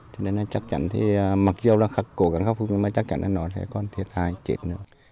cho nên là chắc chắn thì mặc dù là cố gắng khắc phục nhưng mà chắc chắn là nó sẽ còn thiệt hại chết